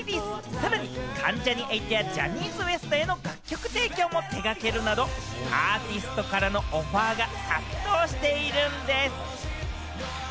さらに関ジャニ∞やジャニーズＷＥＳＴへの楽曲提供も手がけるなど、アーティストからのオファーが殺到しているんです。